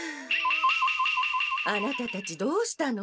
アナタたちどうしたの？